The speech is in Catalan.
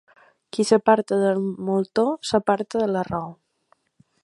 Qui s'aparta del moltó, s'aparta de la raó.